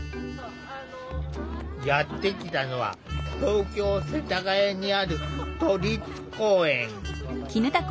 やって来たのは東京・世田谷にある都立公園。